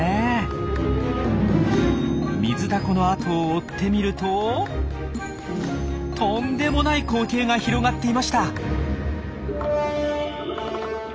ミズダコの後を追ってみるととんでもない光景が広がっていました。